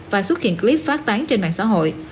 và xuất hiện clip phát tán trên mạng xã hội